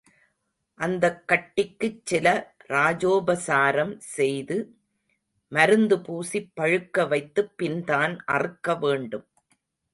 அந்தக் கட்டிக்குச் சில ராஜோபசாரம் செய்து மருந்துபூசிப் பழுக்கவைத்துப் பின்தான் அறுக்க வேண்டும்.